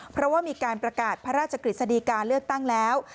เพราะว่ามีการประกาศพระราชกฤษฎีการเลือกตั้งแล้ว